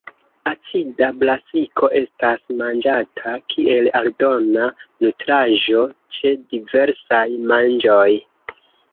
Acida brasiko estas manĝata kiel aldona nutraĵo ĉe diversaj manĝoj.